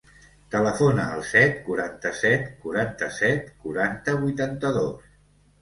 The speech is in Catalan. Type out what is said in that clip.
Telefona al set, quaranta-set, quaranta-set, quaranta, vuitanta-dos.